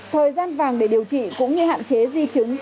thời gian vàng để điều trị cũng như hạn chế di chứng